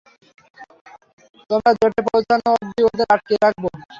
তোমরা জেটে পৌঁছানো অব্ধি ওদের আটকিয়ে রাখবো।